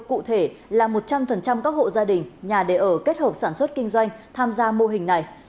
cụ thể là một trăm linh các hộ gia đình nhà đề ở kết hợp sản xuất kinh doanh tham gia mô hình này